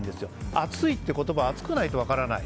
暑いっていう言葉は暑くないと分からない。